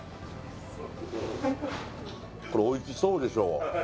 これおいしそうでしょ・